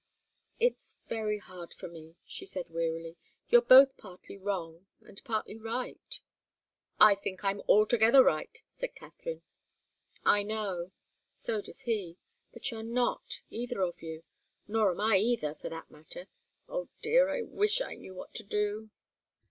"It's very hard for me," she said, wearily. "You're both partly wrong and partly right." "I think I'm altogether right," said Katharine. "I know so does he. But you're not either of you nor I, either, for that matter. Oh, dear! I wish I knew what to do!"